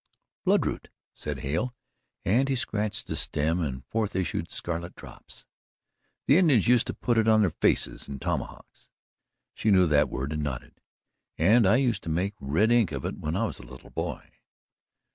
"Bloodroot," said Hale, and he scratched the stem and forth issued scarlet drops. "The Indians used to put it on their faces and tomahawks" she knew that word and nodded "and I used to make red ink of it when I was a little boy."